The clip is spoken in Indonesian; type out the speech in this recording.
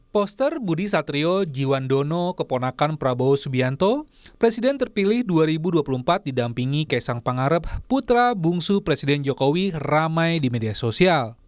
poster budi satrio jiwandono keponakan prabowo subianto presiden terpilih dua ribu dua puluh empat didampingi keisang pangarep putra bungsu presiden jokowi ramai di media sosial